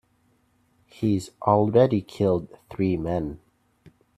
He's already killed three men.